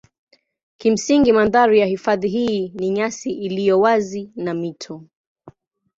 Kimsingi mandhari ya hifadhi hii ni nyasi iliyo wazi na mito.